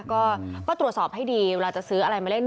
ก็ตรวจสอบให้ดีเวลาจะซื้ออะไรมาเล่น